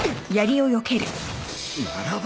ならば！